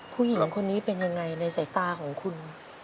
ผู้หญิงคนนี้เป็นยังไงในสายตาของคุณ